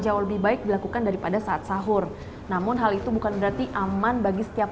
jauh lebih baik dilakukan daripada saat sahur namun hal itu bukan berarti aman bagi setiap